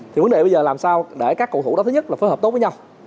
thì vấn đề bây giờ làm sao để các cầu thủ đó thứ nhất là phối hợp tốt với nhau